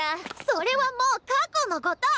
それはもう過去のこと！